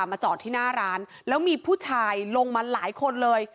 มาจอดที่หน้าร้านแล้วมีผู้ชายลงมาหลายคนเลย